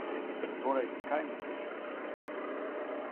Torej, kaj misliš?